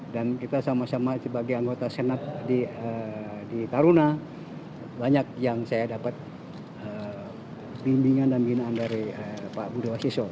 dan kita sama sama sebagai anggota senat di taruna banyak yang saya dapat bimbingan dan binaan dari pak budiwaseso